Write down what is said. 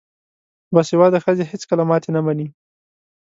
باسواده ښځې هیڅکله ماتې نه مني.